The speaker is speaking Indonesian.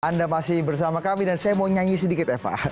anda masih bersama kami dan saya mau nyanyi sedikit eva